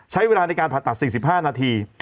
ใช้เวลาในการผ่าตัด๔๕นาที